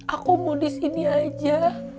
aku mau disini aja